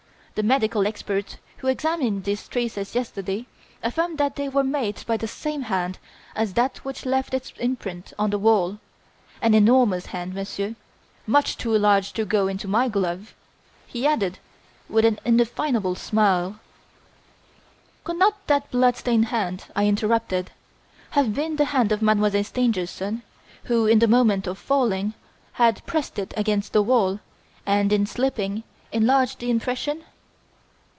The medical experts who examined these traces yesterday affirm that they were made by the same hand as that which left its red imprint on the wall; an enormous hand, Monsieur, much too large to go into my gloves," he added with an indefinable smile. "Could not that blood stained hand," I interrupted, "have been the hand of Mademoiselle Stangerson who, in the moment of falling, had pressed it against the wall, and, in slipping, enlarged the impression?"